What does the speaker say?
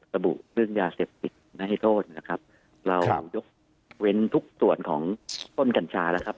ระบุเรื่องยาเสพติดไม่ให้โทษนะครับเรายกเว้นทุกส่วนของต้นกัญชาแล้วครับ